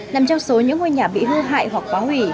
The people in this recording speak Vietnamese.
nằm trong số những ngôi nhà bị hư hại hoặc phá hủy